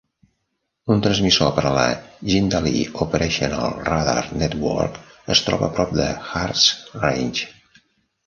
Un transmissor per a la Jindalee Operational Radar Network es troba a prop de Harts Range.